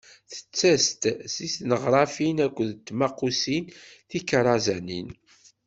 Tettas-d seg tneɣrafin akked tmaqqusin tikerrazanin.